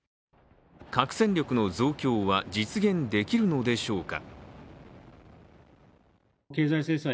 核戦力の増強は実現できるのでしょうか。